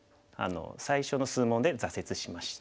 最初の数問で挫折しました。